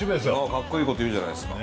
かっこいいこと言うじゃないですか。